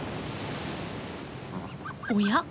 おや？